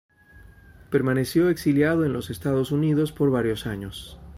Permaneció exiliado en los Estados Unidos por varios años.